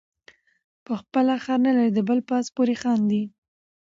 په خپله خر نلري د بل په آس پورې خاندي.